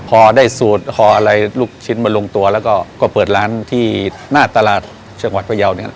พอได้สูตรห่ออะไรลูกชิ้นมาลงตัวแล้วก็เปิดร้านที่หน้าตลาดจังหวัดพยาวเนี่ย